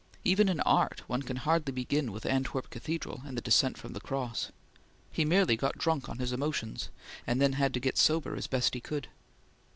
Even in art, one can hardly begin with Antwerp Cathedral and the Descent from the Cross. He merely got drunk on his emotions, and had then to get sober as he best could.